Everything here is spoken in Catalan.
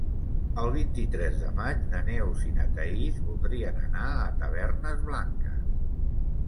El vint-i-tres de maig na Neus i na Thaís voldrien anar a Tavernes Blanques.